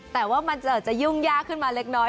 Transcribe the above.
แต่ว่ามันจะยุ่งยากขึ้นมาเล็กน้อย